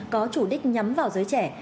có chủ đích nhắm vào giới trẻ